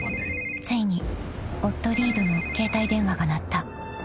［ついに夫リードの携帯電話が鳴った］